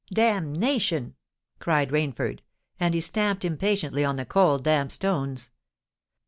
"Damnation!" cried Rainford; and he stamped impatiently on the cold, damp stones.